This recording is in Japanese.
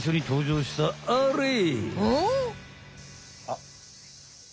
あっ。